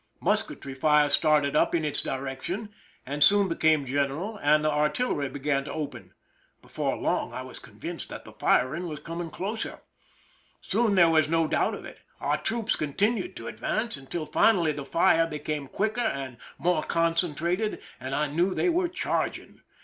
Musketry fire started up in its direction, and soon became general, and the artillery began to open. Before long I was convinced that the firing was coming closer. Soon there was no doubt of it. Our troops continued to advance until finally the fire became quicker and more concen trated, and I knew they were charging.